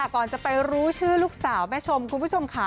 ก่อนจะไปรู้ชื่อลูกสาวแม่ชมคุณผู้ชมค่ะ